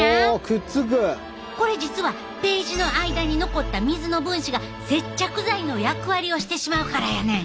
これ実はページの間に残った水の分子が接着剤の役割をしてしまうからやねん。